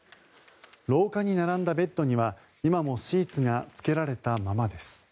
廊下に並んだベッドには今もシーツがつけられたままです。